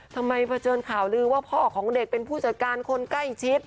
เผชิญข่าวลือว่าพ่อของเด็กเป็นผู้จัดการคนใกล้ชิด